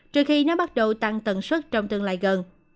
trừ khi nó bắt đầu tăng tầng suất trong tương lai gần